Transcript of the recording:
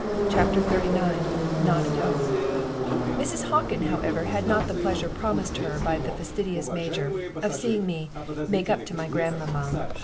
CHAPTER XXXIX NOT AT HOME Mrs. Hockin, however, had not the pleasure promised her by the facetious Major of seeing me "make up to my grandmamma."